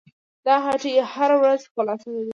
دا هټۍ هره ورځ خلاصه وي.